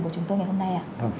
của chúng tôi ngày hôm nay